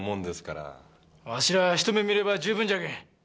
わしらひと目見れば十分じゃけん。